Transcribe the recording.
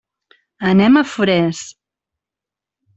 Anem a Forès.